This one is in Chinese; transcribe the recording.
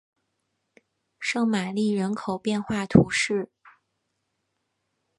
圣玛丽人口变化图示